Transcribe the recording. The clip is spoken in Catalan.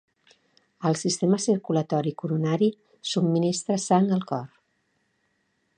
El sistema circulatori coronari subministra sang al cor.